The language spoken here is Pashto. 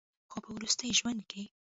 خو پۀ وروستي ژوند کښې